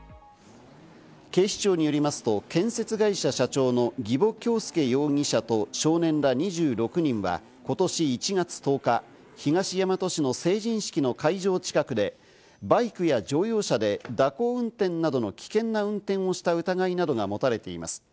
警視庁によりますと建設会社社長の儀保恭祐容疑者と少年ら２６人は、今年１月１０日、東大和市の成人式の会場近くでバイクや乗用車で蛇行運転などの危険な運転をした疑いなどが持たれています。